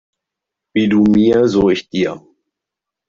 Wie du mir, so ich dir.